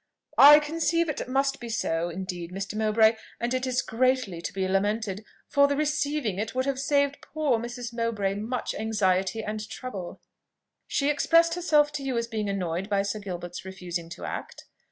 "I conceive it must be so, indeed, Mr. Mowbray; and it is greatly to be lamented, for the receiving it would have saved poor Mrs. Mowbray much anxiety and trouble." "She expressed herself to you as being annoyed by Sir Gilbert's refusing to act?"